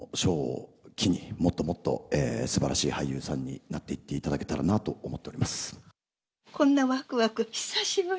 この賞を機に、もっともっとすばらしい俳優さんになっていっていただけたらなとこんなわくわく、久しぶり。